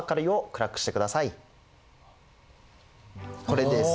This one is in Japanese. これです。